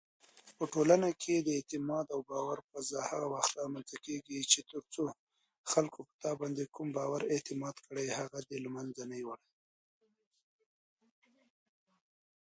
په ټولنو کې د باور او اعتماد فضا هغه وخت رامنځته کېږي چې تر څو خلکو په تا باندې کوم اعتماد کړی وي، هغه دې له منځه یووړ.